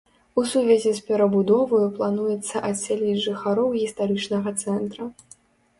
У сувязі з перабудоваю плануецца адсяліць жыхароў гістарычнага цэнтра.